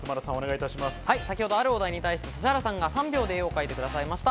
先ほど、あるお題に対して、指原さんが３秒で絵を描いてくださいました。